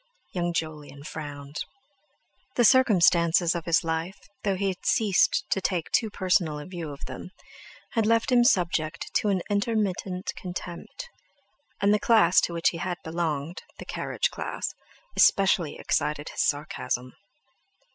Young Jolyon frowned. The circumstances of his life, though he had ceased to take a too personal view of them, had left him subject to an intermittent contempt; and the class to which he had belonged—the carriage class—especially excited his sarcasm.